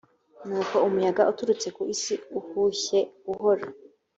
nuko umuyaga uturutse ikusi uhushye buhoro